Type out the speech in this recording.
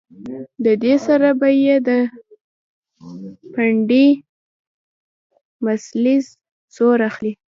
د دې سره به د پنډۍ مسلز زور اخلي